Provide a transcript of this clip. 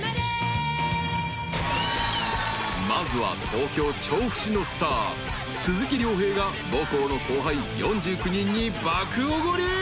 ［まずは東京調布市のスター鈴木亮平が母校の後輩４９人に爆おごり］